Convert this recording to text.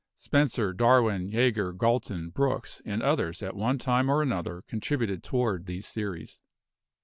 Spencer, Darwin, Jager, Galton, Brooks and others at one time or another contributed toward these theories.